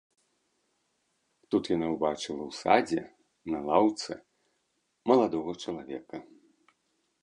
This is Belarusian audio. Тут яна ўбачыла ў садзе на лаўцы маладога чалавека.